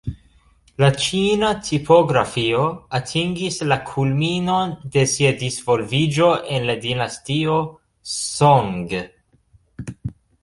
La ĉina tipografio atingis la kulminon de sia disvolviĝo en la dinastio Song.